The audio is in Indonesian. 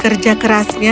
kami mulai terserahnya